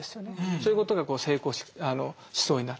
そういうことが成功しそうになる。